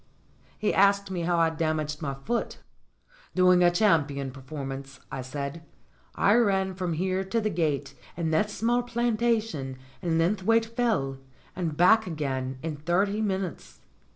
He asked me how I'd damaged my foot. "Doing a champion performance," I said. "I ran from here to the gate in that small plantation in Linth waite Fell and back again in thirty minutes."